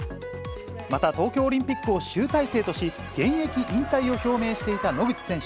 また、東京オリンピックを集大成とし、現役引退を表明していた野口選手。